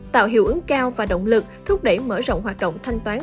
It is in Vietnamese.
tạo hiệu ứng cao và động lực thúc đẩy mở rộng hoạt động thanh toán